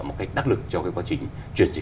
một cái đắc lực cho cái quá trình chuyển trị